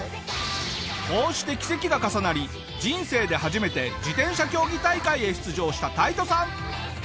こうして奇跡が重なり人生で初めて自転車競技大会へ出場したタイトさん。